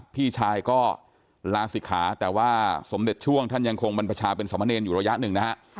พี่ชายก็ลาศิกขาแต่ว่าสมเด็จช่วงท่านยังคงบรรพชาเป็นสมเนรอยู่ระยะหนึ่งนะฮะ